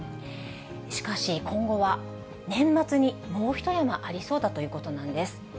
しかし今後は年末にもう一山ありそうだということなんです。